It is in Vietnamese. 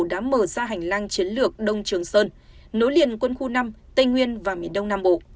đã mở ra hành lang chiến lược đông trường sơn nối liền quân khu năm tây nguyên và miền đông nam bộ